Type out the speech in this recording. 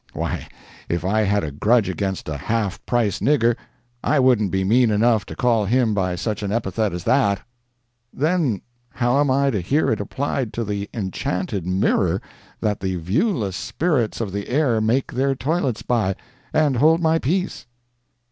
Why, if I had a grudge against a half price nigger, I wouldn't be mean enough to call him by such an epithet as that; then, how am I to hear it applied to the enchanted mirror that the viewless spirits of the air make their toilets by, and hold my peace?